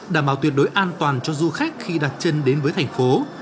đảm bảo tuyệt đối an toàn cho du khách khi đặt chân đến với thành phố